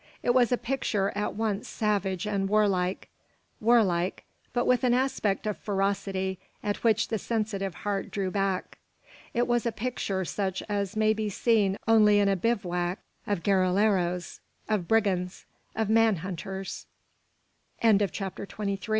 It was a picture at once savage and warlike warlike, but with an aspect of ferocity at which the sensitive heart drew back. It was a picture such as may be seen only in a bivouac of guerilleros, of brigands, of man hunters. CHAPTER TWENTY FOUR. EL SOL AND LA LUNA.